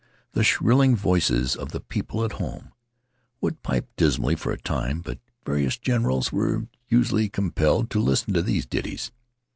The shrilling voices of the people at home would pipe dismally for a time, but various generals were usually compelled to listen to these ditties.